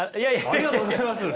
ありがとうございます！